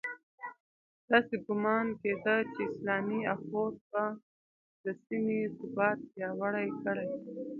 داسې ګومان کېده چې اسلامي اُخوت به د سیمې ثبات پیاوړی کړي.